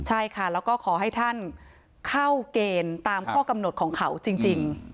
ใช่ค่ะแล้วก็ขอให้ท่านเข้าเกณฑ์ตามข้อกำหนดของเขาจริง